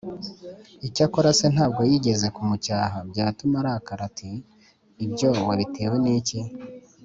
Icyakora se ntabwo yigeze kumucyaha byatuma arakara ati “Ibyo wabitewe n’iki?”